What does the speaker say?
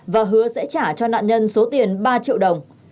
và hứa sẽ trả cho nạn nhân số tiền ba triệu đồng